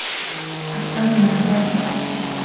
А сказано обратное.